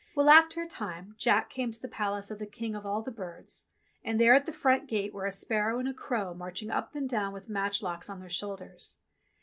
Well, after a time, Jack came to the palace of the King of all the Birds, and there at the front gate were a sparrow and a crow marching up and down with matchlocks on their shoulders.